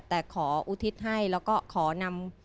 แต่ขออุทิศให้แล้วก็ขอนำ